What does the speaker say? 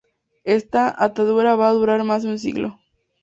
Esta atadura va a durar más de un siglo.